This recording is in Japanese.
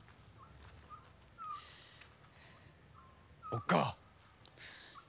おっかぁ。